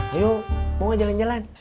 ayo mau jalan jalan